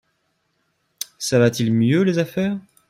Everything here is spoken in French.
ça va t'il mieux, les affaires?